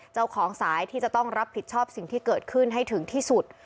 เจ้าของสายที่จะต้องรับผิดชอบสิ่งที่เกิดขึ้นให้ถึงที่สุด